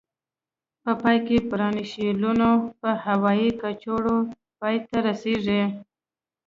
په پای کې برانشیولونه په هوایي کڅوړو پای ته رسيږي.